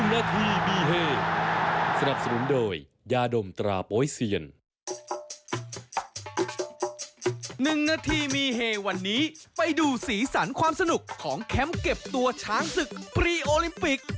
นาทีมีเฮวันนี้ไปดูสีสันความสนุกของแคมป์เก็บตัวช้างศึกปรีโอลิมปิก